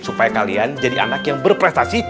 supaya kalian jadi anak yang berprestasi